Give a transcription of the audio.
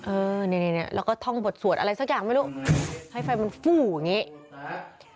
เออนี่แล้วก็ท่องบทสวดอะไรสักอย่างไม่รู้ให้ไฟมันฟู้อย่างนี้